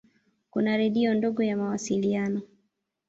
Kuna redio ndogo ya mawasiliano.